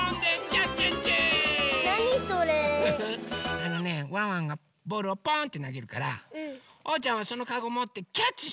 あのねワンワンがボールをポーンとなげるからおうちゃんはそのかごもってキャッチしてください。